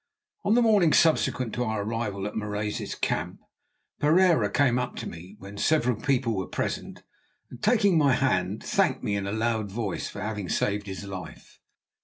On the morning subsequent to our arrival at Marais's camp, Pereira came up to me when several people were present, and, taking my hand, thanked me in a loud voice for having saved his life.